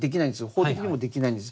法的にもできないんです。